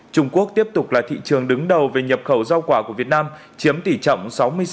trung quốc tiếp tục là thị trường đứng đầu về nhập khẩu rau quả của việt nam chiếm tỷ trọng sáu mươi sáu